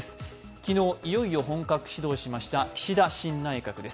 昨日、いよいよ本格始動しました岸田新内閣です。